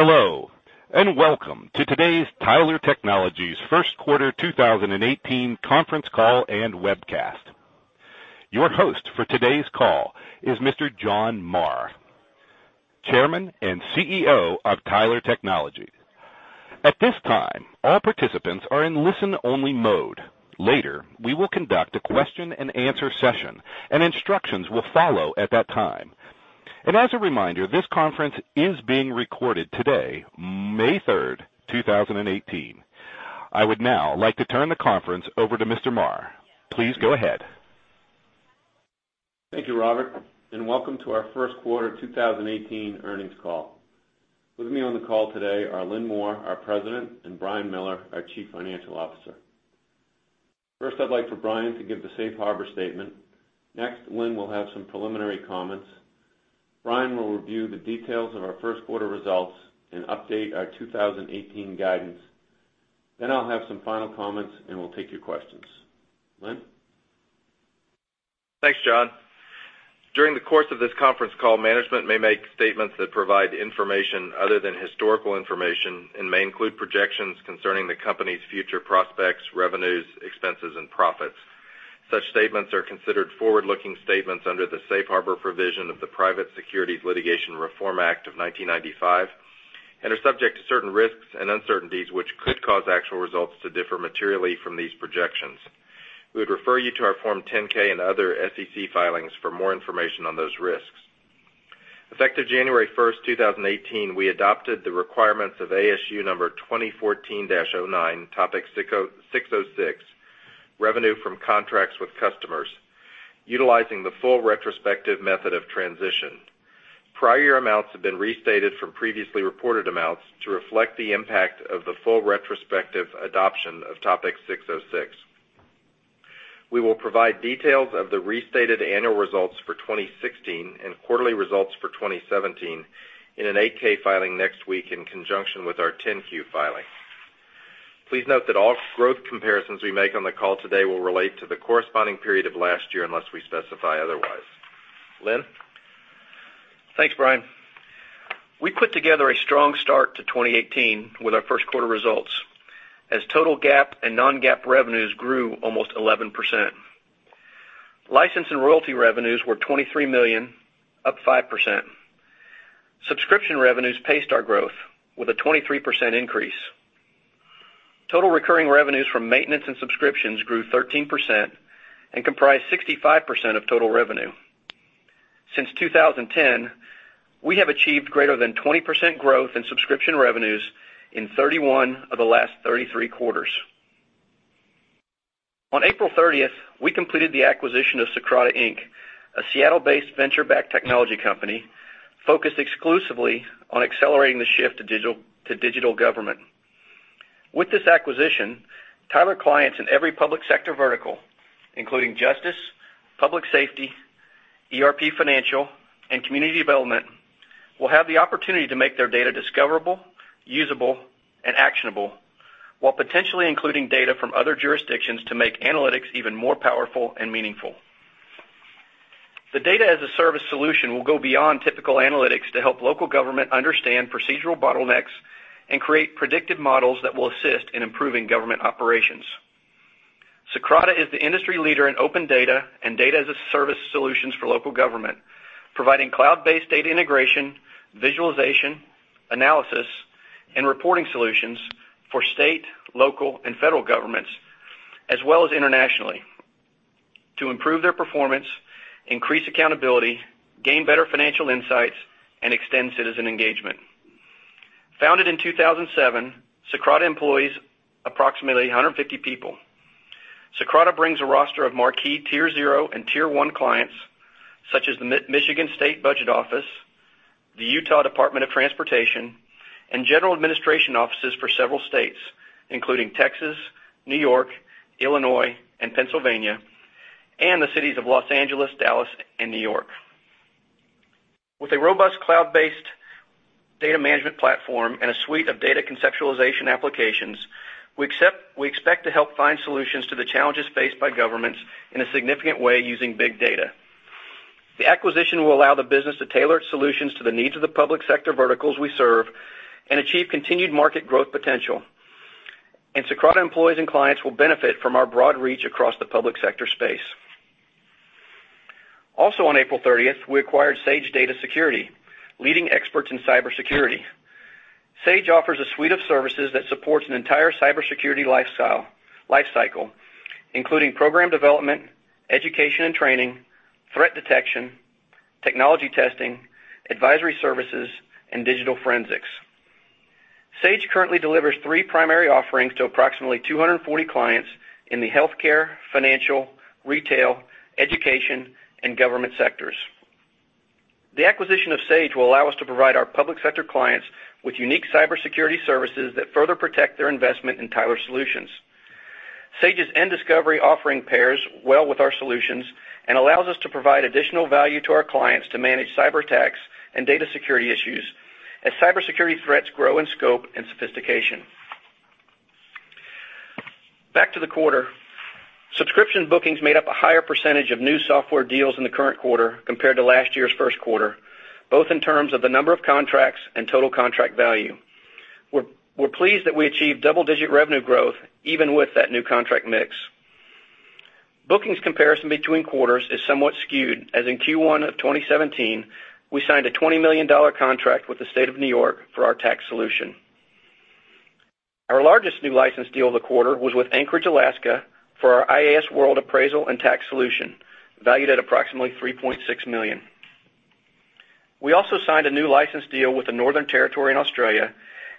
Hello, and welcome to today's Tyler Technologies first quarter 2018 conference call and webcast. Your host for today's call is Mr. John Marr, Chairman and CEO of Tyler Technologies. At this time, all participants are in listen-only mode. Later, we will conduct a question and answer session, and instructions will follow at that time. As a reminder, this conference is being recorded today, May 3rd, 2018. I would now like to turn the conference over to Mr. Marr. Please go ahead. Thank you, Robert, and welcome to our first quarter 2018 earnings call. With me on the call today are Lynn Moore, our President, and Brian Miller, our Chief Financial Officer. First, I'd like for Brian to give the safe harbor statement. Next, Lynn will have some preliminary comments. Brian will review the details of our first quarter results and update our 2018 guidance. I'll have some final comments, and we'll take your questions. Lynn? Thanks, John. During the course of this conference call, management may make statements that provide information other than historical information and may include projections concerning the company's future prospects, revenues, expenses, and profits. Such statements are considered forward-looking statements under the safe harbor provision of the Private Securities Litigation Reform Act of 1995 and are subject to certain risks and uncertainties, which could cause actual results to differ materially from these projections. We would refer you to our Form 10-K and other SEC filings for more information on those risks. Effective January 1st, 2018, we adopted the requirements of ASU number 2014-09, Topic 606, Revenue from Contracts with Customers, utilizing the full retrospective method of transition. Prior year amounts have been restated from previously reported amounts to reflect the impact of the full retrospective adoption of Topic 606. We will provide details of the restated annual results for 2016 and quarterly results for 2017 in an 8-K filing next week in conjunction with our 10-Q filing. Please note that all growth comparisons we make on the call today will relate to the corresponding period of last year unless we specify otherwise. Lynn? Thanks, Brian. We put together a strong start to 2018 with our first quarter results as total GAAP and non-GAAP revenues grew almost 11%. License and royalty revenues were $23 million, up 5%. Subscription revenues paced our growth with a 23% increase. Total recurring revenues from maintenance and subscriptions grew 13% and comprise 65% of total revenue. Since 2010, we have achieved greater than 20% growth in subscription revenues in 31 of the last 33 quarters. On April 30th, we completed the acquisition of Socrata, Inc., a Seattle-based venture-backed technology company focused exclusively on accelerating the shift to digital government. With this acquisition, Tyler clients in every public sector vertical, including justice, public safety, ERP financial, and community development, will have the opportunity to make their data discoverable, usable, and actionable, while potentially including data from other jurisdictions to make analytics even more powerful and meaningful. The Data as a Service solution will go beyond typical analytics to help local government understand procedural bottlenecks and create predictive models that will assist in improving government operations. Socrata is the industry leader in open data and Data-as-a-Service solutions for local government, providing cloud-based data integration, visualization, analysis, and reporting solutions for state, local, and federal governments, as well as internationally, to improve their performance, increase accountability, gain better financial insights, and extend citizen engagement. Founded in 2007, Socrata employs approximately 150 people. Socrata brings a roster of marquee Tier 0 and Tier 1 clients, such as the Michigan State Budget Office, the Utah Department of Transportation, and general administration offices for several states, including Texas, New York, Illinois, and Pennsylvania, and the cities of Los Angeles, Dallas, and New York. With a robust cloud-based data management platform and a suite of data conceptualization applications, we expect to help find solutions to the challenges faced by governments in a significant way using big data. The acquisition will allow the business to tailor its solutions to the needs of the public sector verticals we serve and achieve continued market growth potential. Socrata employees and clients will benefit from our broad reach across the public sector space. Also on April 30th, we acquired Sage Data Security, leading experts in cybersecurity. Sage offers a suite of services that supports an entire cybersecurity lifecycle, including program development, education and training, threat detection, technology testing, advisory services, and digital forensics. Sage currently delivers three primary offerings to approximately 240 clients in the healthcare, financial, retail, education, and government sectors. The acquisition of Sage will allow us to provide our public sector clients with unique cybersecurity services that further protect their investment in Tyler Solutions. Sage's nDiscovery offering pairs well with our solutions and allows us to provide additional value to our clients to manage cyberattacks and data security issues as cybersecurity threats grow in scope and sophistication. Back to the quarter. Subscription bookings made up a higher percentage of new software deals in the current quarter compared to last year's first quarter, both in terms of the number of contracts and total contract value. We're pleased that we achieved double-digit revenue growth even with that new contract mix. Bookings comparison between quarters is somewhat skewed, as in Q1 of 2017, we signed a $20 million contract with the State of New York for our tax solution. Our largest new license deal of the quarter was with Anchorage, Alaska, for our iasWorld Appraisal and Tax Solution, valued at approximately $3.6 million. We also signed a new license deal with the Northern Territory in Australia,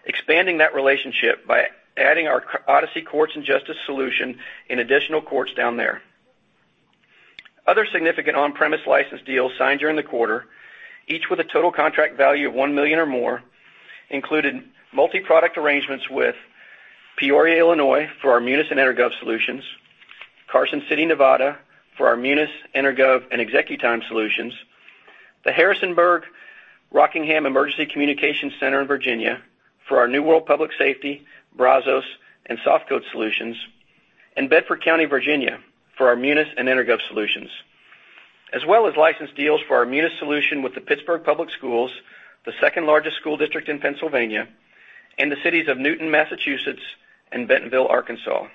expanding that relationship by adding our Odyssey Courts and Justice solution in additional courts down there. Other significant on-premise license deals signed during the quarter, each with a total contract value of $1 million or more, included multi-product arrangements with Peoria, Illinois, for our Munis and EnerGov solutions, Carson City, Nevada, for our Munis, EnerGov, and ExecuTime solutions, the Harrisonburg-Rockingham Emergency Communications Center in Virginia for our New World Public Safety, Brazos, and SoftCode solutions, and Bedford County, Virginia, for our Munis and EnerGov solutions, as well as license deals for our Munis solution with the Pittsburgh Public Schools, the second-largest school district in Pennsylvania, and the cities of Newton, Massachusetts, and Bentonville, Arkansas.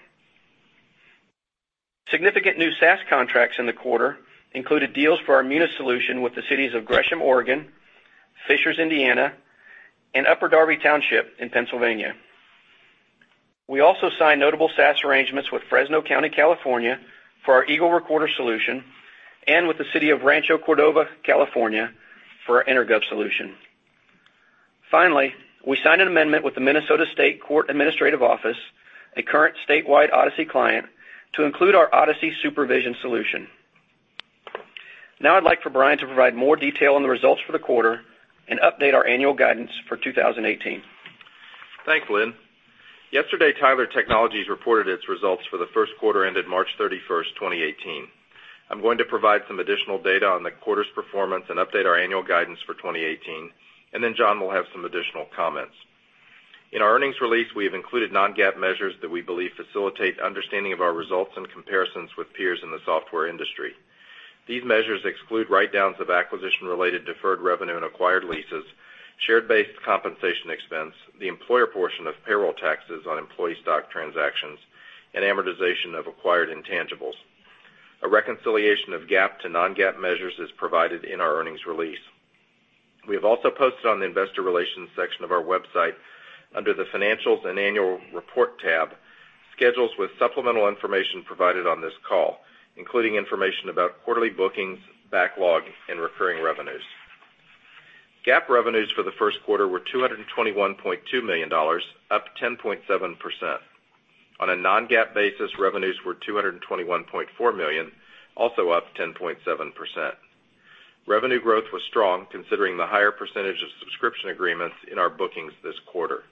Significant new SaaS contracts in the quarter included deals for our Munis solution with the cities of Gresham, Oregon, Fishers, Indiana, and Upper Darby Township in Pennsylvania. We also signed notable SaaS arrangements with Fresno County, California, for our Eagle Recorder solution, and with the city of Rancho Cordova, California, for our EnerGov solution. Finally, we signed an amendment with the Minnesota State Court Administrator's Office, a current statewide Odyssey client, to include our Odyssey Supervision solution. Now I'd like for Brian to provide more detail on the results for the quarter and update our annual guidance for 2018. Thanks, Lynn. Yesterday, Tyler Technologies reported its results for the first quarter ended March 31st, 2018. I'm going to provide some additional data on the quarter's performance and update our annual guidance for 2018, and then John will have some additional comments. In our earnings release, we have included non-GAAP measures that we believe facilitate understanding of our results and comparisons with peers in the software industry. These measures exclude write-downs of acquisition-related deferred revenue and acquired leases, share-based compensation expense, the employer portion of payroll taxes on employee stock transactions, and amortization of acquired intangibles. A reconciliation of GAAP to non-GAAP measures is provided in our earnings release. We have also posted on the investor relations section of our website, under the Financials and Annual Report tab, schedules with supplemental information provided on this call, including information about quarterly bookings, backlog, and recurring revenues. GAAP revenues for the first quarter were $221.2 million, up 10.7%. On a non-GAAP basis, revenues were $221.4 million, also up 10.7%. Revenue growth was strong considering the higher percentage of subscription agreements in our bookings this quarter.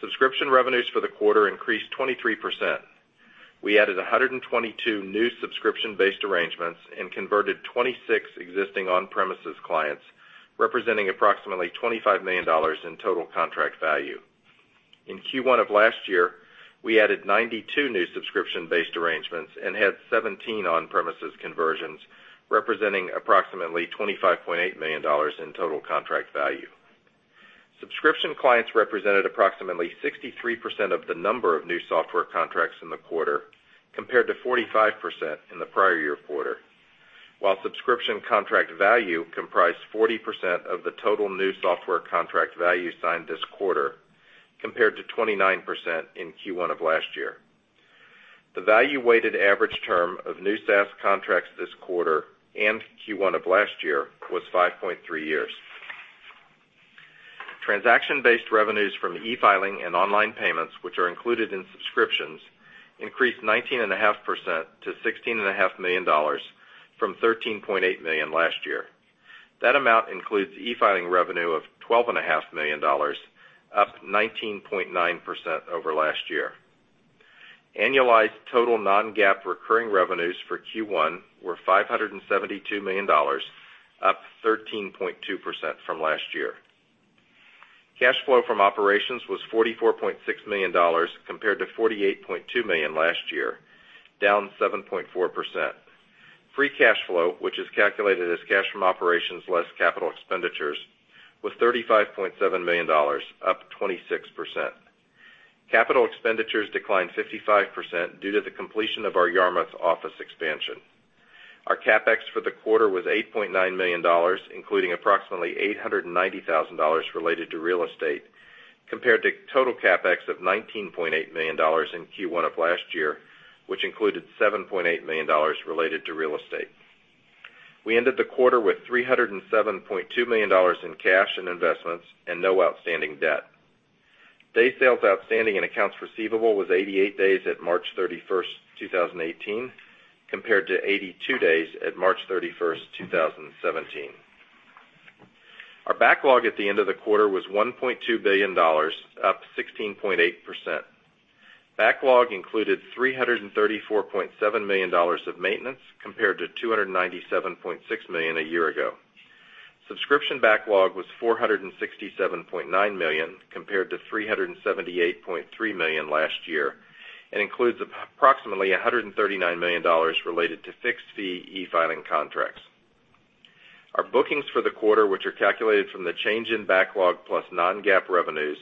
Subscription revenues for the quarter increased 23%. We added 122 new subscription-based arrangements and converted 26 existing on-premises clients, representing approximately $25 million in total contract value. In Q1 of last year, we added 92 new subscription-based arrangements and had 17 on-premises conversions, representing approximately $25.8 million in total contract value. Subscription clients represented approximately 63% of the number of new software contracts in the quarter compared to 45% in the prior year quarter. While subscription contract value comprised 40% of the total new software contract value signed this quarter compared to 29% in Q1 of last year. The value-weighted average term of new SaaS contracts this quarter and Q1 of last year was 5.3 years. Transaction-based revenues from e-filing and online payments, which are included in subscriptions, increased 19.5% to $16.5 million from $13.8 million last year. That amount includes e-filing revenue of $12.5 million, up 19.9% over last year. Annualized total non-GAAP recurring revenues for Q1 were $572 million, up 13.2% from last year. Cash flow from operations was $44.6 million compared to $48.2 million last year, down 7.4%. Free cash flow, which is calculated as cash from operations less capital expenditures, was $35.7 million, up 26%. Capital expenditures declined 55% due to the completion of our Yarmouth office expansion. Our CapEx for the quarter was $8.9 million, including approximately $890,000 related to real estate, compared to total CapEx of $19.8 million in Q1 of last year, which included $7.8 million related to real estate. We ended the quarter with $307.2 million in cash and investments and no outstanding debt. Day sales outstanding and accounts receivable was 88 days at March 31st, 2018, compared to 82 days at March 31st, 2017. Our backlog at the end of the quarter was $1.2 billion, up 16.8%. Backlog included $334.7 million of maintenance compared to $297.6 million a year ago. Subscription backlog was $467.9 million compared to $378.3 million last year, and includes approximately $139 million related to fixed fee e-filing contracts. Our bookings for the quarter, which are calculated from the change in backlog plus non-GAAP revenues,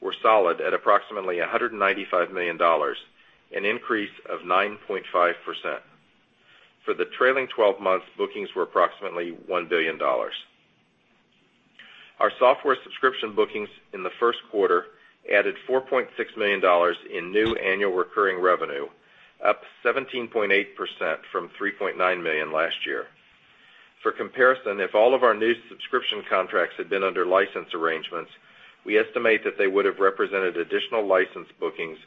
were solid at approximately $195 million, an increase of 9.5%. For the trailing 12 months, bookings were approximately $1 billion. Our software subscription bookings in the first quarter added $4.6 million in new annual recurring revenue, up 17.8% from $3.9 million last year. For comparison, if all of our new subscription contracts had been under license arrangements, we estimate that they would have represented additional license bookings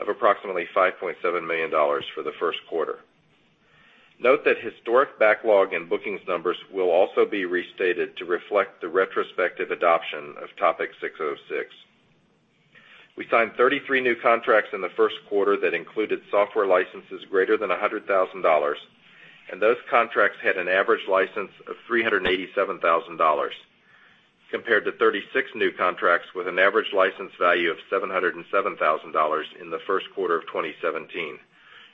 of approximately $5.7 million for the first quarter. Note that historic backlog and bookings numbers will also be restated to reflect the retrospective adoption of Topic 606. We signed 33 new contracts in the first quarter that included software licenses greater than $100,000, and those contracts had an average license of $387,000, compared to 36 new contracts with an average license value of $707,000 in the first quarter of 2017,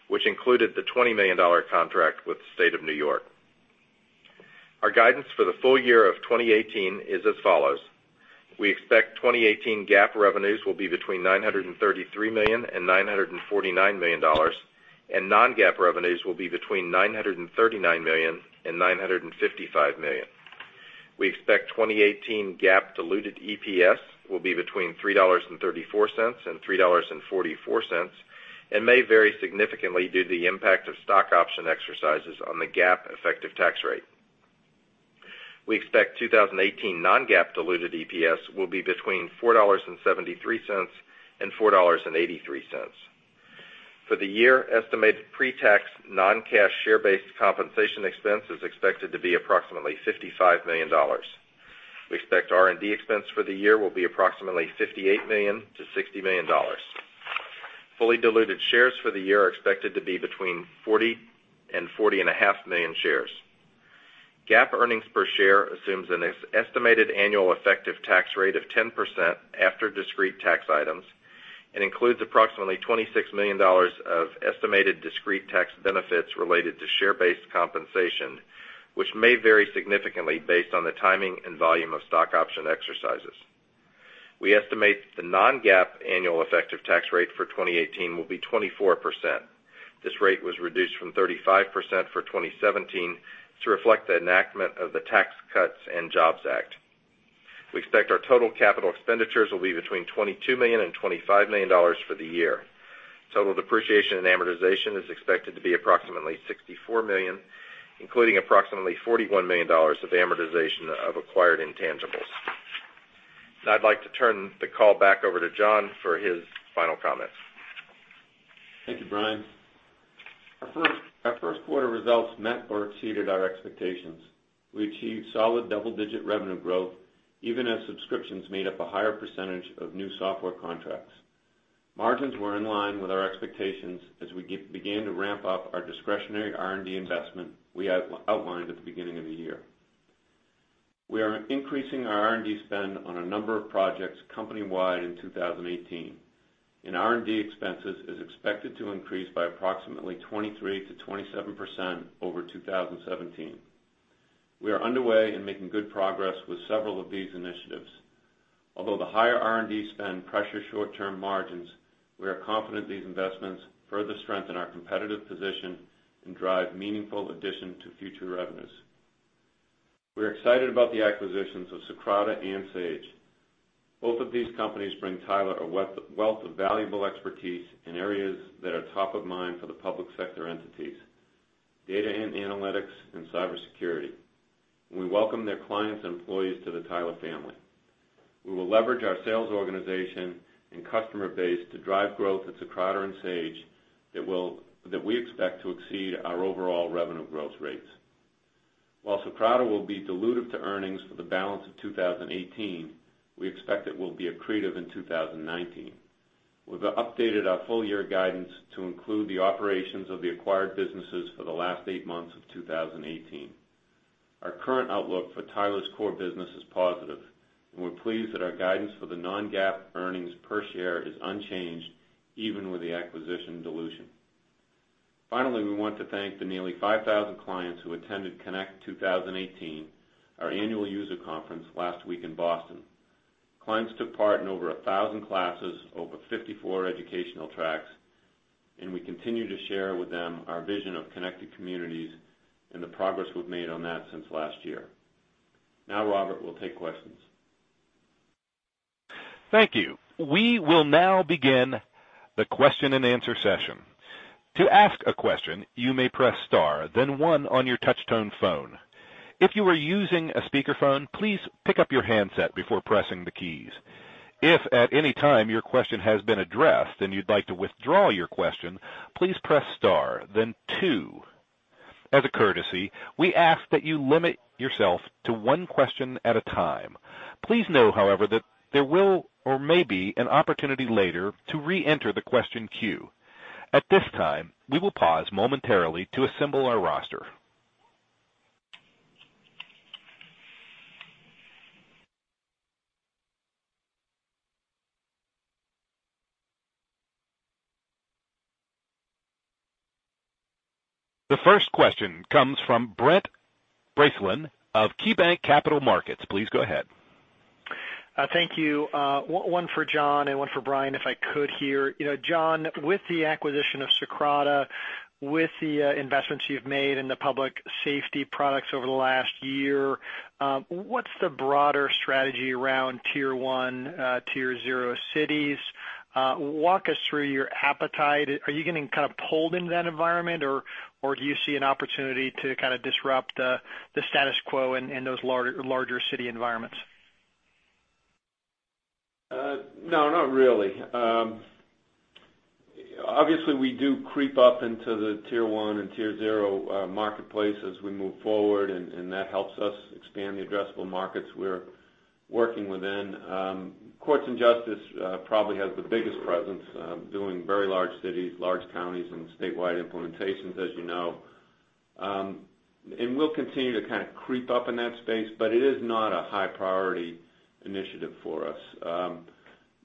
which included the $20 million contract with the State of New York. Our guidance for the full year of 2018 is as follows: We expect 2018 GAAP revenues will be between $933 million and $949 million, and non-GAAP revenues will be between $939 million and $955 million. We expect 2018 GAAP diluted EPS will be between $3.34 and $3.44, and may vary significantly due to the impact of stock option exercises on the GAAP effective tax rate. We expect 2018 non-GAAP diluted EPS will be between $4.73 and $4.83. For the year, estimated pre-tax non-cash share-based compensation expense is expected to be approximately $55 million. We expect R&D expense for the year will be approximately $58 million to $60 million. Fully diluted shares for the year are expected to be between 40 and 40 and a half million shares. GAAP earnings per share assumes an estimated annual effective tax rate of 10% after discrete tax items and includes approximately $26 million of estimated discrete tax benefits related to share-based compensation, which may vary significantly based on the timing and volume of stock option exercises. We estimate the non-GAAP annual effective tax rate for 2018 will be 24%. This rate was reduced from 35% for 2017 to reflect the enactment of the Tax Cuts and Jobs Act. We expect our total capital expenditures will be between $22 million and $25 million for the year. Total depreciation and amortization is expected to be approximately $64 million, including approximately $41 million of amortization of acquired intangibles. Now I'd like to turn the call back over to John for his final comments. Thank you, Brian. Our first quarter results met or exceeded our expectations. We achieved solid double-digit revenue growth even as subscriptions made up a higher percentage of new software contracts. Margins were in line with our expectations as we began to ramp up our discretionary R&D investment we outlined at the beginning of the year. We are increasing our R&D spend on a number of projects company-wide in 2018, and R&D expenses is expected to increase by approximately 23%-27% over 2017. We are underway and making good progress with several of these initiatives. Although the higher R&D spend pressures short-term margins, we are confident these investments further strengthen our competitive position and drive meaningful addition to future revenues. We're excited about the acquisitions of Socrata and Sage. Both of these companies bring Tyler a wealth of valuable expertise in areas that are top of mind for the public sector entities, data and analytics, and cybersecurity. We welcome their clients and employees to the Tyler family. We will leverage our sales organization and customer base to drive growth at Socrata and Sage, that we expect to exceed our overall revenue growth rates. While Socrata will be dilutive to earnings for the balance of 2018, we expect it will be accretive in 2019. We've updated our full year guidance to include the operations of the acquired businesses for the last eight months of 2018. Our current outlook for Tyler's core business is positive, and we're pleased that our guidance for the non-GAAP earnings per share is unchanged even with the acquisition dilution. Finally, we want to thank the nearly 5,000 clients who attended Connect 2018, our annual user conference, last week in Boston. Clients took part in over 1,000 classes, over 54 educational tracks, and we continue to share with them our vision of Connected Communities and the progress we've made on that since last year. Now, Robert, we'll take questions. Thank you. We will now begin the question and answer session. To ask a question, you may press * then 1 on your touch tone phone. If you are using a speakerphone, please pick up your handset before pressing the keys. If at any time your question has been addressed and you'd like to withdraw your question, please press * then 2. As a courtesy, we ask that you limit yourself to one question at a time. Please know, however, that there will or may be an opportunity later to reenter the question queue. At this time, we will pause momentarily to assemble our roster. The first question comes from Brent Bracelin of KeyBanc Capital Markets. Please go ahead. Thank you. One for John and one for Brian, if I could here. John, with the acquisition of Socrata, with the investments you've made in the public safety products over the last year, what's the broader strategy around Tier 1, Tier 0 cities? Walk us through your appetite. Are you getting kind of pulled into that environment, or do you see an opportunity to kind of disrupt the status quo in those larger city environments? No, not really. Obviously, we do creep up into the tier 1 and tier 0 marketplace as we move forward, that helps us expand the addressable markets we're working within. Courts and Justice probably has the biggest presence, doing very large cities, large counties, and statewide implementations, as you know. We'll continue to kind of creep up in that space, but it is not a high-priority initiative for us.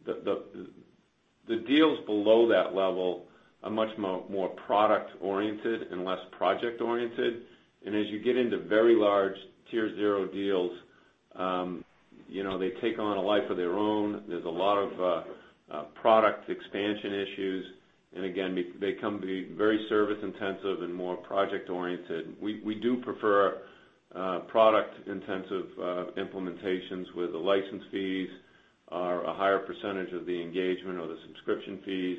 The deals below that level are much more product-oriented and less project-oriented, as you get into very large tier 0 deals, they take on a life of their own. There's a lot of product expansion issues, again, they come to be very service-intensive and more project-oriented. We do prefer product-intensive implementations where the license fees are a higher percentage of the engagement or the subscription fees,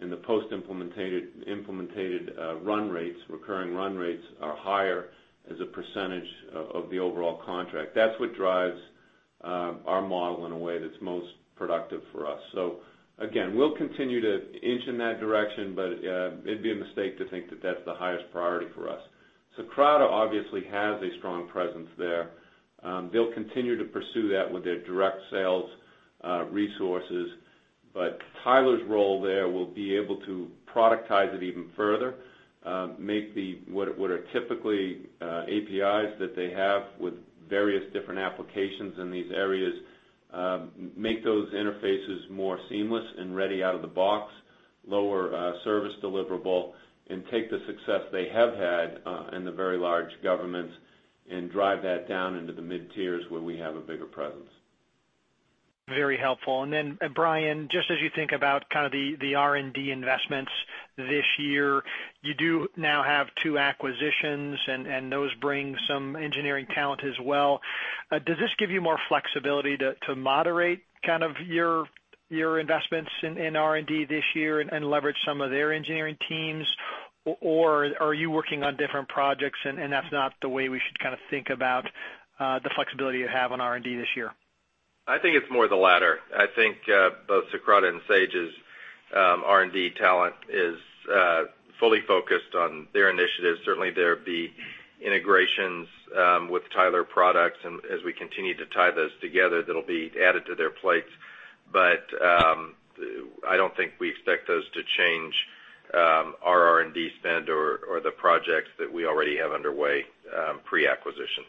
and the post-implementated run rates, recurring run rates, are higher as a percentage of the overall contract. That's what drives our model in a way that's most productive for us. Again, we'll continue to inch in that direction, but it'd be a mistake to think that that's the highest priority for us. Socrata obviously has a strong presence there. They'll continue to pursue that with their direct sales resources, Tyler's role there will be able to productize it even further, make what are typically APIs that they have with various different applications in these areas, make those interfaces more seamless and ready out of the box, lower service deliverable, and take the success they have had in the very large governments and drive that down into the mid-tiers where we have a bigger presence. Very helpful. Brian, just as you think about kind of the R&D investments this year, you do now have two acquisitions, and those bring some engineering talent as well. Does this give you more flexibility to moderate kind of your investments in R&D this year and leverage some of their engineering teams, or are you working on different projects and that's not the way we should kind of think about the flexibility you have on R&D this year? I think it's more the latter. I think both Socrata and Sage's R&D talent is fully focused on their initiatives. Certainly, there'll be integrations with Tyler products, and as we continue to tie those together, that'll be added to their plates. I don't think we expect those to change our R&D spend or the projects that we already have underway pre-acquisitions.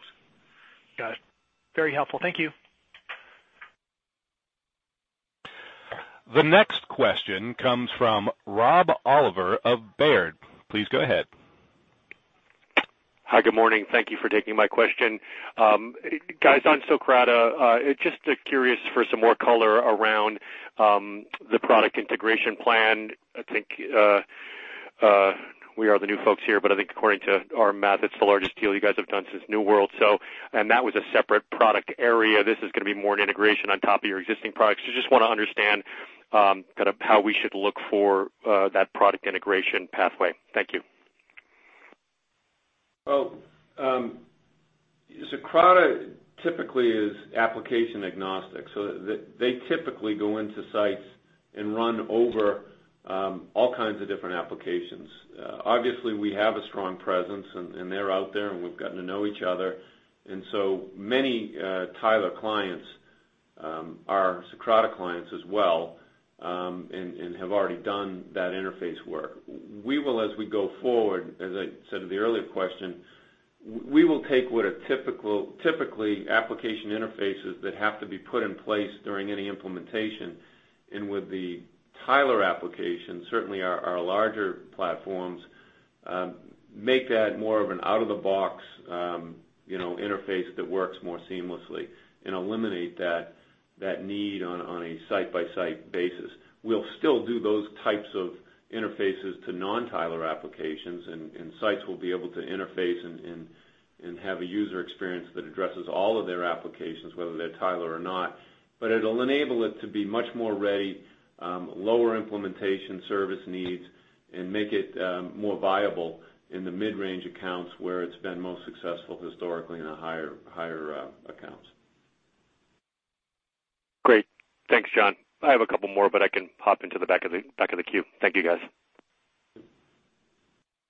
Got it. Very helpful. Thank you. The next question comes from Rob Oliver of Baird. Please go ahead. Hi. Good morning. Thank you for taking my question. Guys, on Socrata, just curious for some more color around the product integration plan. I think we are the new folks here, but I think according to our math, that's the largest deal you guys have done since New World. That was a separate product area. This is going to be more an integration on top of your existing products. Just want to understand kind of how we should look for that product integration pathway. Thank you. Socrata typically is application agnostic. They typically go into sites and run over all kinds of different applications. Obviously, we have a strong presence, and they're out there, and we've gotten to know each other. Many Tyler clients are Socrata clients as well and have already done that interface work. We will, as we go forward, as I said in the earlier question, we will take what are typically application interfaces that have to be put in place during any implementation, and with the Tyler application, certainly our larger platforms, make that more of an out-of-the-box interface that works more seamlessly and eliminate that need on a site-by-site basis. We'll still do those types of interfaces to non-Tyler applications, and sites will be able to interface and have a user experience that addresses all of their applications, whether they're Tyler or not. It'll enable it to be much more ready, lower implementation service needs, and make it more viable in the mid-range accounts where it's been most successful historically in the higher accounts. Great. Thanks, John. I have a couple more. I can pop into the back of the queue. Thank you, guys.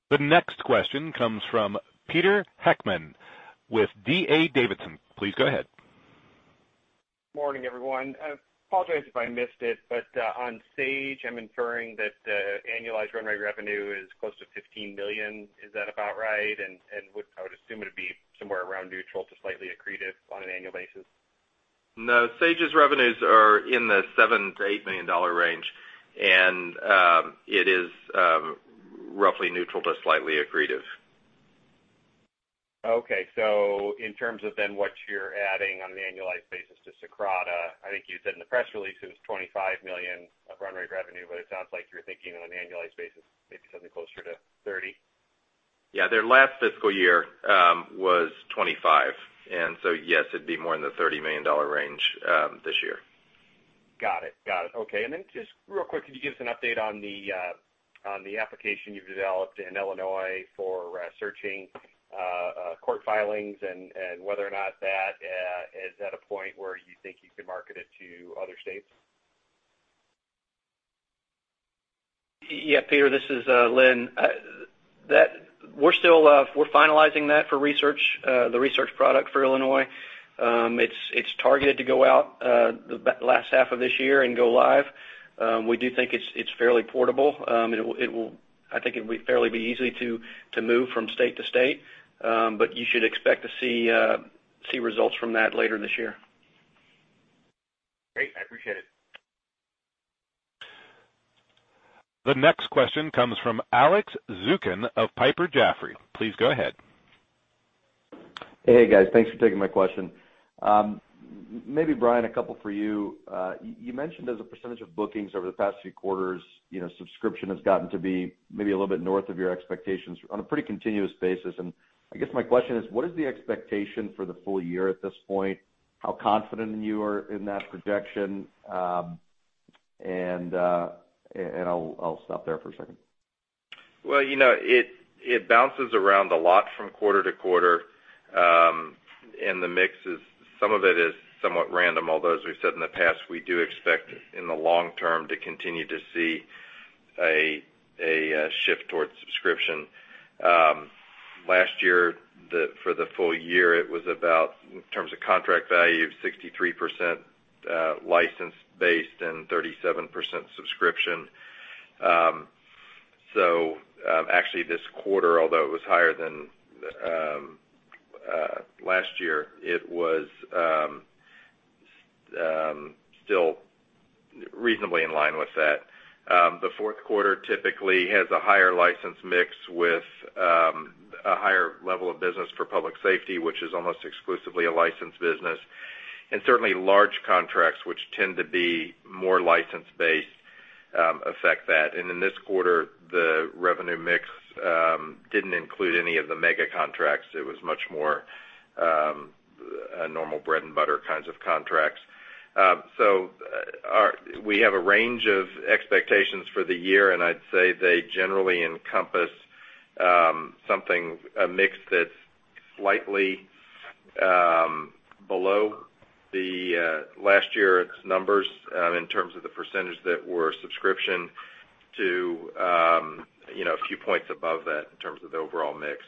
The next question comes from Pete Heckmann with D.A. Davidson. Please go ahead. Morning, everyone. I apologize if I missed it, on Sage, I'm inferring that the annualized run rate revenue is close to $15 million. Is that about right? I would assume it'd be somewhere around neutral to slightly accretive on an annual basis. No, Sage's revenues are in the $7 million-$8 million range, it is roughly neutral to slightly accretive. Okay. In terms of then what you're adding on an annualized basis to Socrata, I think you said in the press release it was $25 million of run rate revenue, it sounds like you're thinking on an annualized basis, maybe something closer to 30. Yeah. Their last fiscal year was 25, yes, it'd be more in the $30 million range this year. Got it. Okay. Then just real quick, could you give us an update on the application you've developed in Illinois for searching court filings and whether or not that is at a point where you think you can market it to other states? Yeah, Peter, this is Lynn. We're finalizing that for research, the research product for Illinois. It's targeted to go out the last half of this year and go live. We do think it's fairly portable. I think it will fairly be easy to move from state to state. You should expect to see results from that later this year. Great. I appreciate it. The next question comes from Alex Zukin of Piper Jaffray. Please go ahead. Hey, guys. Thanks for taking my question. Maybe Brian, a couple for you. You mentioned as a percentage of bookings over the past few quarters, subscription has gotten to be maybe a little bit north of your expectations on a pretty continuous basis. I guess my question is, what is the expectation for the full year at this point? How confident you are in that projection? I'll stop there for a second. Well, it bounces around a lot from quarter to quarter. The mix, some of it is somewhat random, although as we've said in the past, we do expect in the long term to continue to see a shift towards subscription. Last year, for the full year, it was about, in terms of contract value, 63% license-based and 37% subscription. Actually this quarter, although it was higher than last year, it was still reasonably in line with that. The fourth quarter typically has a higher license mix with a higher level of business for public safety, which is almost exclusively a licensed business. Certainly large contracts, which tend to be more license-based, affect that. In this quarter, the revenue mix didn't include any of the mega contracts. It was much more a normal bread and butter kinds of contracts. We have a range of expectations for the year, I'd say they generally encompass something, a mix that's slightly below the last year's numbers, in terms of the percentage that were subscription to a few points above that in terms of the overall mix.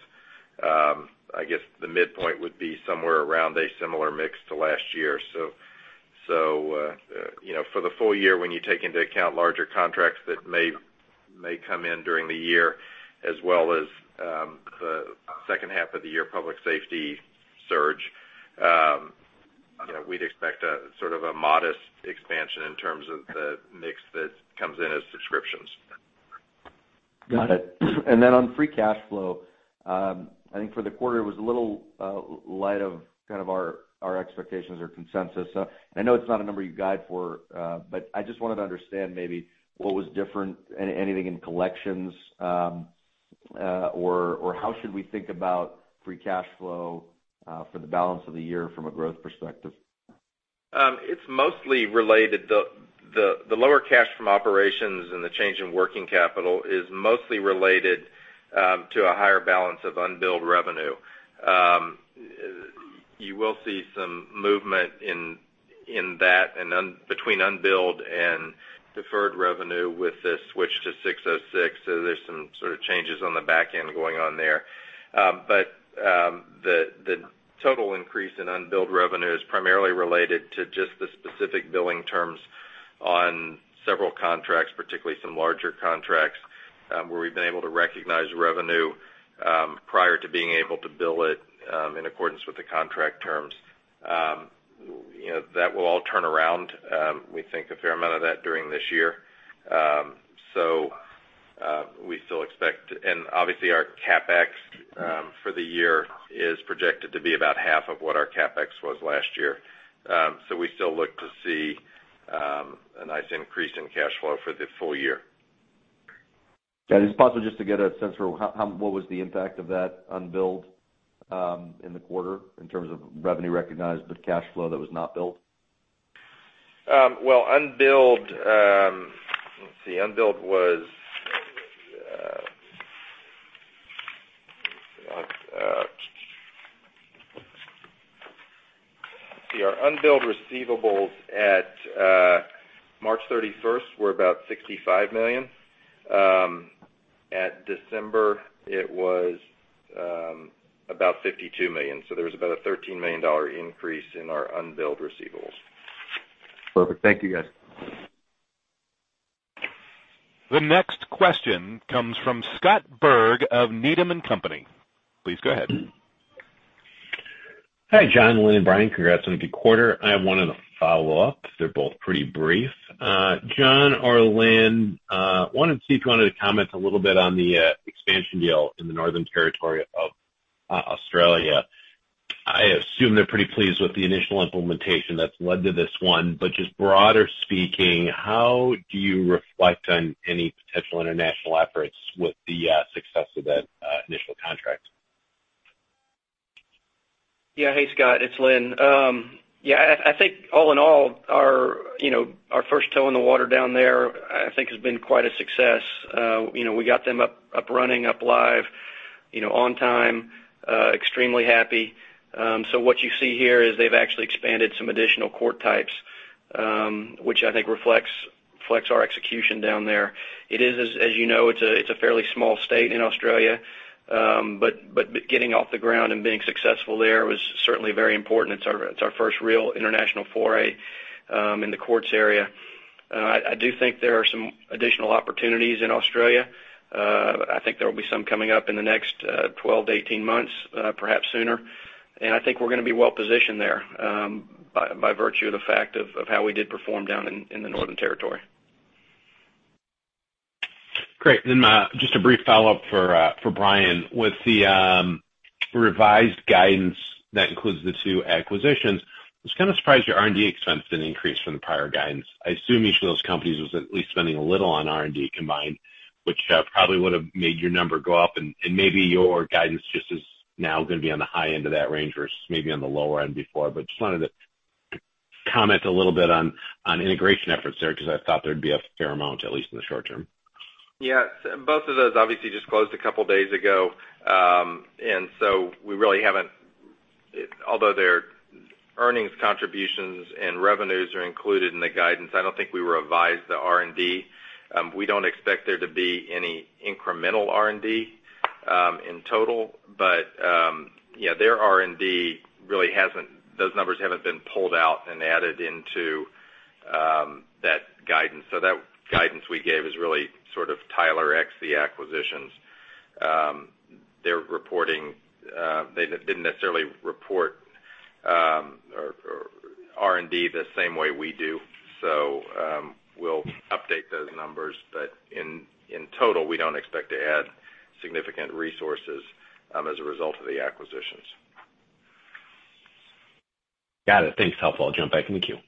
I guess the midpoint would be somewhere around a similar mix to last year. For the full year, when you take into account larger contracts that may come in during the year as well as the second half of the year public safety surge, we'd expect a modest expansion in terms of the mix that comes in as subscriptions. Got it. On free cash flow, I think for the quarter, it was a little light of our expectations or consensus. I know it's not a number you guide for, but I just wanted to understand maybe what was different, anything in collections, or how should we think about free cash flow for the balance of the year from a growth perspective? The lower cash from operations and the change in working capital is mostly related to a higher balance of unbilled revenue. You will see some movement in that and between unbilled and deferred revenue with the switch to 606. There's some sort of changes on the back end going on there. The total increase in unbilled revenue is primarily related to just the specific billing terms on several contracts, particularly some larger contracts, where we've been able to recognize revenue prior to being able to bill it in accordance with the contract terms. That will all turn around. We think a fair amount of that during this year. Obviously our CapEx for the year is projected to be about half of what our CapEx was last year. We still look to see a nice increase in cash flow for the full year. Is it possible just to get a sense for what was the impact of that unbilled in the quarter in terms of revenue recognized, but cash flow that was not billed? Well, let's see. Our unbilled receivables at March 31st were about $65 million. December, it was about $52 million. There was about a $13 million increase in our unbilled receivables. Perfect. Thank you, guys. The next question comes from Scott Berg of Needham & Company. Please go ahead. Hi, John, Lynn, Brian. Congrats on a good quarter. I have one of the follow-ups. They're both pretty brief. John or Lynn, wanted to see if you wanted to comment a little bit on the expansion deal in the Northern Territory of Australia. I assume they're pretty pleased with the initial implementation that's led to this one. Just broader speaking, how do you reflect on any potential international efforts with the success of that initial contract? Hey, Scott, it's Lynn. I think all in all our first toe in the water down there, I think has been quite a success. We got them up running, up live, on time, extremely happy. What you see here is they've actually expanded some additional court types, which I think reflects our execution down there. As you know, it's a fairly small state in Australia. Getting off the ground and being successful there was certainly very important. It's our first real international foray in the courts area. I do think there are some additional opportunities in Australia. I think there will be some coming up in the next 12-18 months, perhaps sooner. I think we're going to be well-positioned there, by virtue of the fact of how we did perform down in the Northern Territory. Great. Just a brief follow-up for Brian. With the revised guidance that includes the two acquisitions, I was kind of surprised your R&D expense didn't increase from the prior guidance. I assume each of those companies was at least spending a little on R&D combined, which probably would've made your number go up, and maybe your guidance just is now going to be on the high end of that range versus maybe on the lower end before. Just wanted to comment a little bit on integration efforts there, because I thought there'd be a fair amount, at least in the short term. Yeah. Both of those obviously just closed a couple of days ago. Although their earnings contributions and revenues are included in the guidance, I don't think we revised the R&D. We don't expect there to be any incremental R&D in total. Those numbers haven't been pulled out and added into that guidance. That guidance we gave is really sort of Tyler ex the acquisitions. They didn't necessarily report R&D the same way we do. We'll update those numbers. In total, we don't expect to add significant resources as a result of the acquisitions. Got it. Thanks. Helpful. I'll jump back in the queue.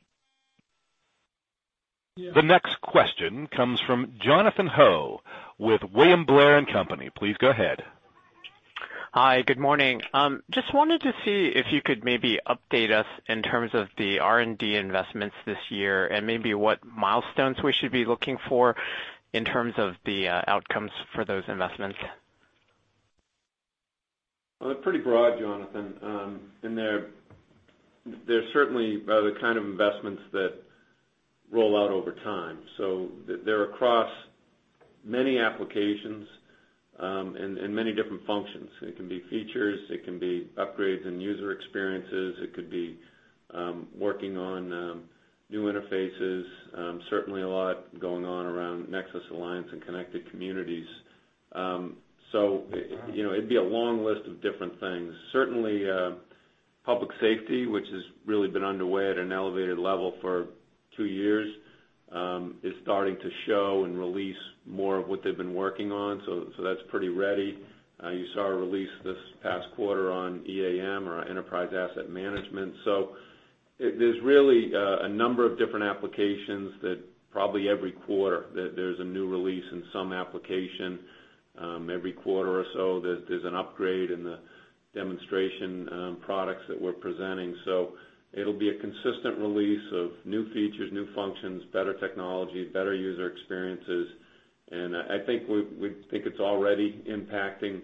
The next question comes from Jonathan Ho with William Blair & Company. Please go ahead. Hi. Good morning. Just wanted to see if you could maybe update us in terms of the R&D investments this year and maybe what milestones we should be looking for in terms of the outcomes for those investments. They're pretty broad, Jonathan. They're certainly the kind of investments that roll out over time. They're across many applications, and many different functions. It can be features, it can be upgrades in user experiences, it could be working on new interfaces. Certainly a lot going on around Nexus Alliance and Connected Communities. It'd be a long list of different things. Certainly, Public Safety, which has really been underway at an elevated level for two years, is starting to show and release more of what they've been working on. That's pretty ready. You saw a release this past quarter on EAM or Enterprise Asset Management. There's really a number of different applications that probably every quarter, there's a new release in some application. Every quarter or so, there's an upgrade in the demonstration products that we're presenting. It'll be a consistent release of new features, new functions, better technology, better user experiences. I think it's already impacting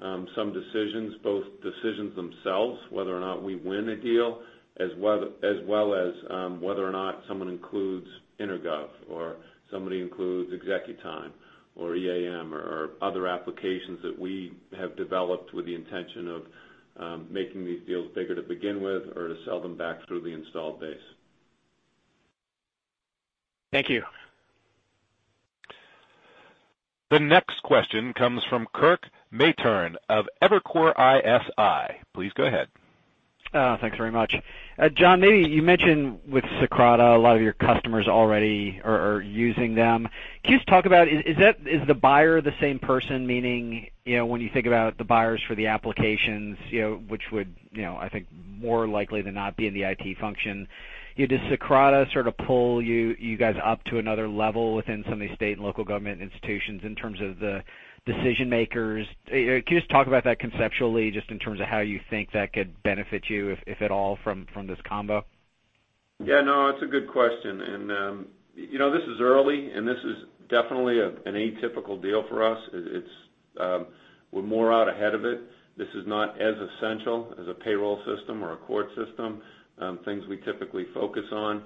some decisions, both decisions themselves, whether or not we win a deal, as well as whether or not someone includes EnerGov or somebody includes ExecuTime or EAM or other applications that we have developed with the intention of making these deals bigger to begin with or to sell them back through the installed base. Thank you. The next question comes from Kirk Materne of Evercore ISI. Please go ahead. Thanks very much. John, maybe you mentioned with Socrata, a lot of your customers already are using them. Can you just talk about, is the buyer the same person? Meaning, when you think about the buyers for the applications, which would, I think more likely than not be in the IT function. Does Socrata sort of pull you guys up to another level within some of these state and local government institutions in terms of the decision-makers? Can you just talk about that conceptually, just in terms of how you think that could benefit you, if at all, from this combo? Yeah, no, it's a good question. This is early, and this is definitely an atypical deal for us. We're more out ahead of it. This is not as essential as a payroll system or a court system, things we typically focus on.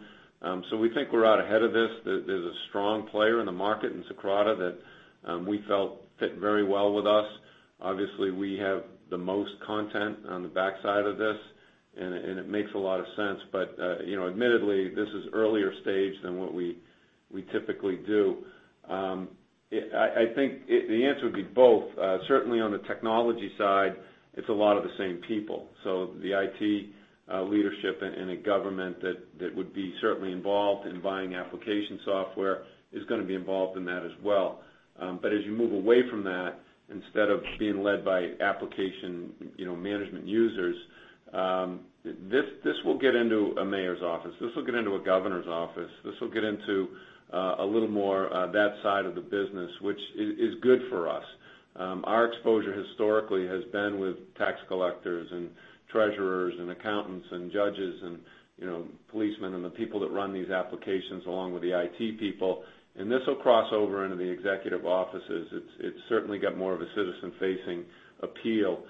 We think we're out ahead of this. There's a strong player in the market in Socrata that we felt fit very well with us. Obviously, we have the most content on the backside of this, and it makes a lot of sense. Admittedly, this is earlier stage than what we typically do. I think, the answer would be both. Certainly, on the technology side, it's a lot of the same people. The IT leadership and a government that would be certainly involved in buying application software is going to be involved in that as well. As you move away from that, instead of being led by application management users, this will get into a mayor's office. This will get into a governor's office. This will get into a little more that side of the business, which is good for us. Our exposure historically has been with tax collectors, and treasurers, and accountants, and judges and policemen, and the people that run these applications along with the IT people, this will cross over into the executive offices. It's certainly got more of a citizen-facing appeal.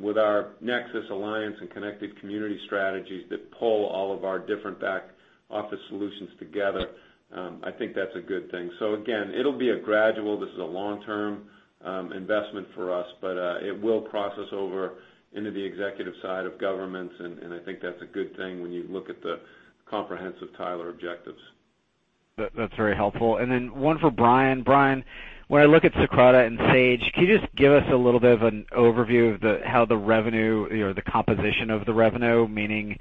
With our Nexus Alliance and Connected Community strategies that pull all of our different back office solutions together, I think that's a good thing. Again, it'll be a gradual, this is a long-term investment for us, but it will process over into the executive side of governments, and I think that's a good thing when you look at the comprehensive Tyler objectives. That's very helpful. One for Brian. Brian, when I look at Socrata and Sage, can you just give us a little bit of an overview of how the composition of the revenue, meaning,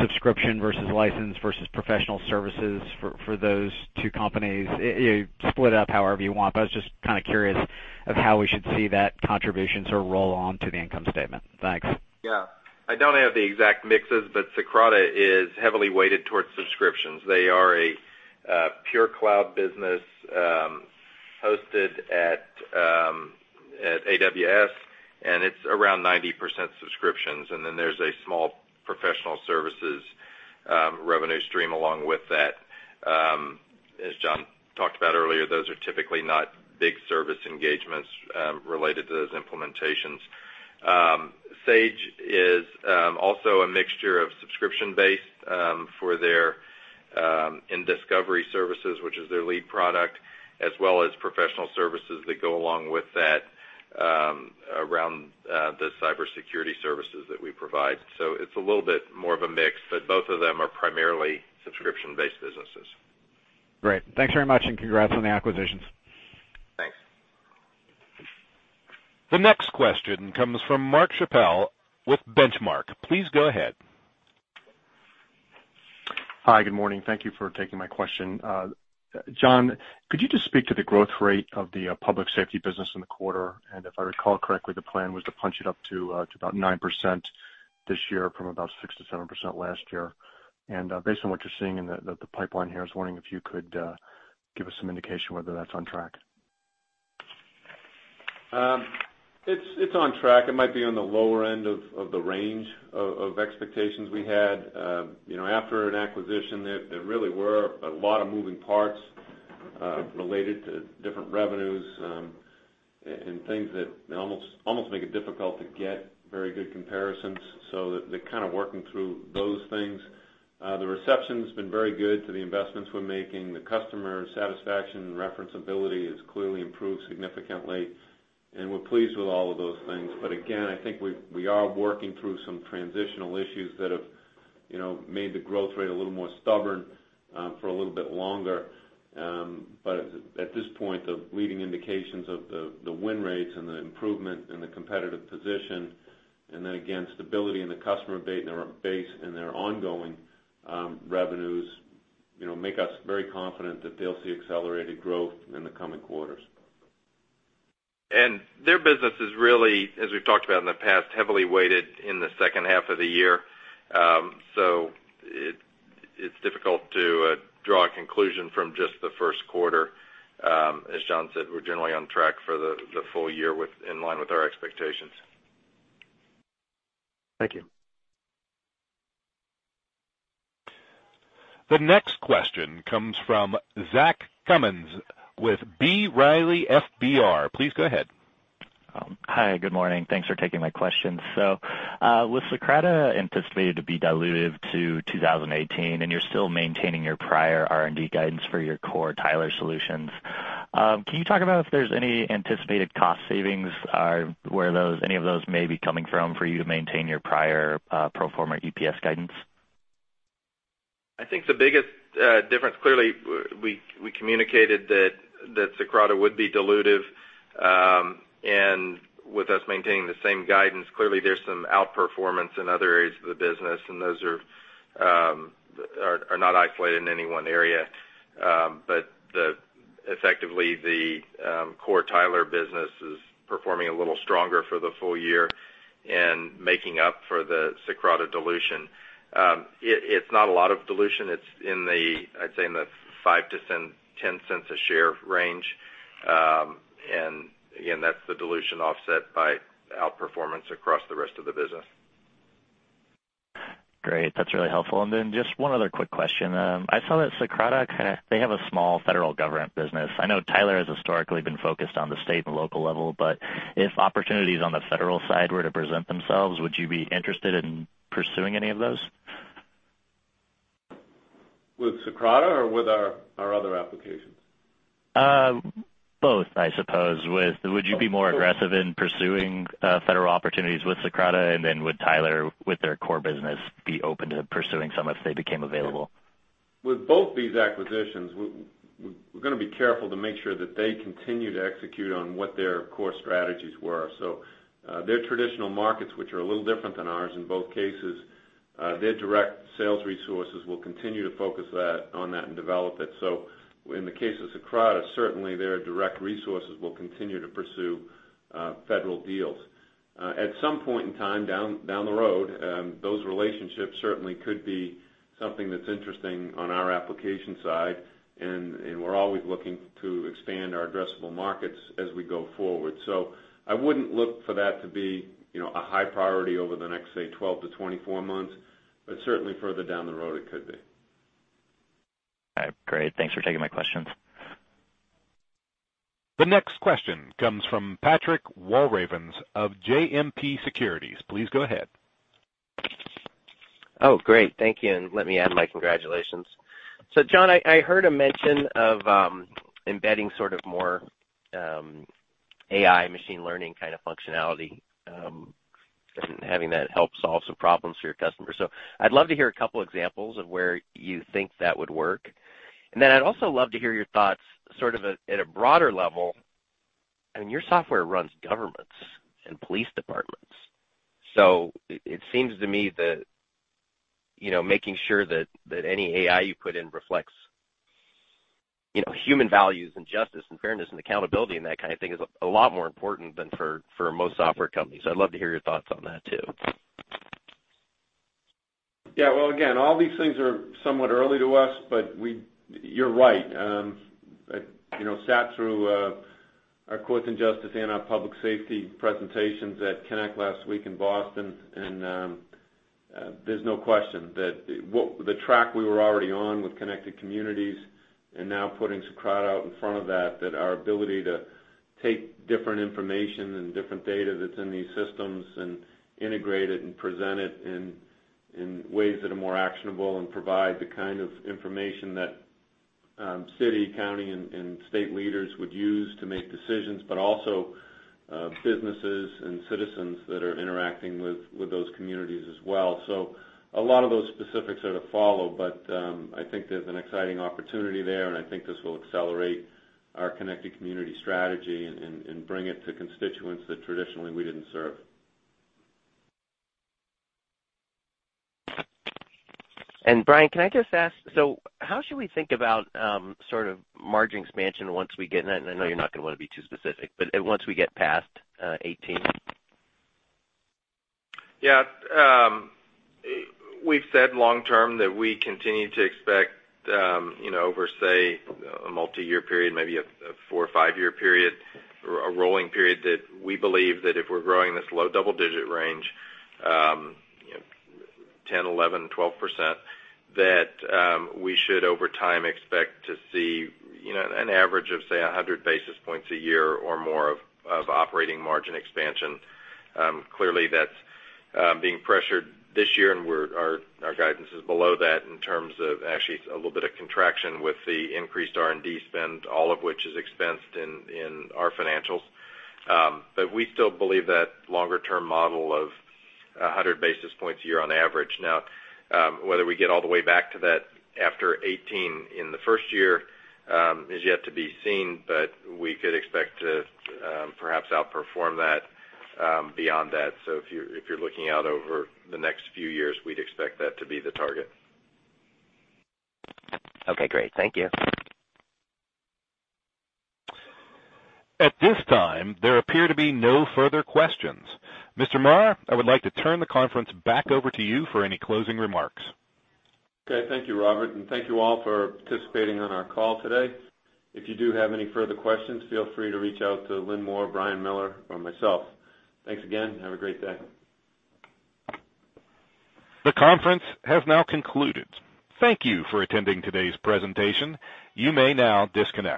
subscription versus license versus professional services for those two companies, split up however you want. I was just curious of how we should see that contribution sort of roll on to the income statement. Thanks. Yeah. I don't have the exact mixes, but Socrata is heavily weighted towards subscriptions. They are a pure cloud business, hosted at AWS. It's around 90% subscriptions. There's a small professional services revenue stream along with that. As John talked about earlier, those are typically not big service engagements related to those implementations. Sage is also a mixture of subscription-based nDiscovery services, which is their lead product, as well as professional services that go along with that around the cybersecurity services that we provide. It's a little bit more of a mix, but both of them are primarily subscription-based businesses. Great. Thanks very much. Congrats on the acquisitions. Thanks. The next question comes from Mark Schappel with Benchmark. Please go ahead. Hi, good morning. Thank you for taking my question. John, could you just speak to the growth rate of the public safety business in the quarter? If I recall correctly, the plan was to punch it up to about 9% this year from about 6%-7% last year. Based on what you're seeing in the pipeline here, I was wondering if you could give us some indication whether that's on track. It's on track. It might be on the lower end of the range of expectations we had. After an acquisition, there really were a lot of moving parts related to different revenues, and things that almost make it difficult to get very good comparisons, so they're working through those things. The reception's been very good to the investments we're making. The customer satisfaction reference ability has clearly improved significantly, and we're pleased with all of those things. Again, I think we are working through some transitional issues that have made the growth rate a little more stubborn for a little bit longer. At this point, the leading indications of the win rates and the improvement in the competitive position, and then again, stability in the customer base and their ongoing revenues, make us very confident that they'll see accelerated growth in the coming quarters. Their business is really, as we've talked about in the past, heavily weighted in the second half of the year. It's difficult to draw a conclusion from just the first quarter. As John said, we're generally on track for the full year in line with our expectations. Thank you. The next question comes from Zach Cummins with B. Riley FBR. Please go ahead. Hi, good morning. Thanks for taking my question. With Socrata anticipated to be dilutive to 2018, and you're still maintaining your prior R&D guidance for your core Tyler solutions, can you talk about if there's any anticipated cost savings, or where any of those may be coming from for you to maintain your prior pro forma EPS guidance? I think the biggest difference, clearly, we communicated that Socrata would be dilutive. With us maintaining the same guidance, clearly, there's some outperformance in other areas of the business, and those are not isolated in any one area. Effectively, the core Tyler business is performing a little stronger for the full year and making up for the Socrata dilution. It's not a lot of dilution. It's in the, I'd say, in the $0.05-$0.10 a share range. Again, that's the dilution offset by outperformance across the rest of the business. Great. That's really helpful. Then just one other quick question. I saw that Socrata, they have a small federal government business. I know Tyler has historically been focused on the state and local level, if opportunities on the federal side were to present themselves, would you be interested in pursuing any of those? With Socrata or with our other applications? Both, I suppose. Would you be more aggressive in pursuing federal opportunities with Socrata, and then would Tyler, with their core business, be open to pursuing some if they became available? With both these acquisitions, we're going to be careful to make sure that they continue to execute on what their core strategies were. Their traditional markets, which are a little different than ours in both cases, their direct sales resources will continue to focus on that and develop it. In the case of Socrata, certainly their direct resources will continue to pursue federal deals. At some point in time down the road, those relationships certainly could be something that's interesting on our application side, and we're always looking to expand our addressable markets as we go forward. I wouldn't look for that to be a high priority over the next, say, 12 to 24 months, but certainly further down the road, it could be. All right, great. Thanks for taking my questions. The next question comes from Patrick Walravens of JMP Securities. Please go ahead. Great. Thank you, and let me add my congratulations. John, I heard a mention of embedding sort of more AI machine learning kind of functionality, and having that help solve some problems for your customers. I'd love to hear a couple examples of where you think that would work. Then I'd also love to hear your thoughts sort of at a broader level. I mean, your software runs governments and police departments. It seems to me that making sure that any AI you put in reflects human values and justice and fairness and accountability and that kind of thing is a lot more important than for most software companies. I'd love to hear your thoughts on that, too. Yeah. Well, again, all these things are somewhat early to us, but you're right. I sat through our courts and justice and our public safety presentations at Connect last week in Boston, and there's no question that the track we were already on with Connected Communities and now putting Socrata out in front of that our ability to take different information and different data that's in these systems and integrate it and present it in ways that are more actionable and provide the kind of information that city, county, and state leaders would use to make decisions, but also businesses and citizens that are interacting with those communities as well. A lot of those specifics are to follow, but I think there's an exciting opportunity there, and I think this will accelerate our Connected Community strategy and bring it to constituents that traditionally we didn't serve. Brian, can I just ask, how should we think about sort of margin expansion once we get in that? I know you're not going to want to be too specific, but once we get past 2018. Yeah. We've said long term that we continue to expect over, say, a multi-year period, maybe a four- or five-year period or a rolling period, that we believe that if we're growing this low double-digit range, 10%, 11%, 12%, that we should, over time, expect to see an average of, say, 100 basis points a year or more of operating margin expansion. Clearly, that's being pressured this year, and our guidance is below that in terms of actually a little bit of contraction with the increased R&D spend, all of which is expensed in our financials. We still believe that longer-term model of 100 basis points a year on average. Now, whether we get all the way back to that after 2018 in the first year is yet to be seen, but we could expect to perhaps outperform that beyond that. If you're looking out over the next few years, we'd expect that to be the target. Okay, great. Thank you. At this time, there appear to be no further questions. Mr. Marr, I would like to turn the conference back over to you for any closing remarks. Okay. Thank you, Robert, and thank you all for participating on our call today. If you do have any further questions, feel free to reach out to Lynn Moore, Brian Miller, or myself. Thanks again. Have a great day. The conference has now concluded. Thank you for attending today's presentation. You may now disconnect.